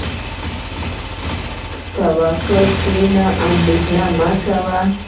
په توکل کښېنه، اندېښنه مه کوه.